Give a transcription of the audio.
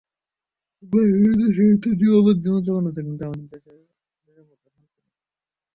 বাইরের দেশে হয়তো নিরাপদ জীবনযাপন আছে, কিন্তু নিজের দেশের মতো শান্তি নেই।